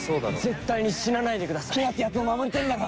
「絶対に死なないでください」「ヒナってやつを守りてえんだろ」